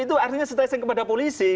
itu artinya stressing kepada polisi